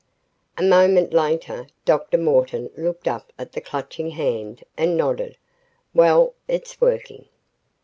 A moment later, Dr. Morton looked up at the Clutching Hand and nodded, "Well, it's working!"